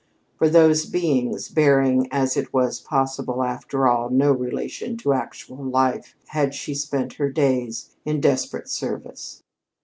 For these things, bearing, as it was possible, after all, no relation to actual life, had she spent her days in desperate service.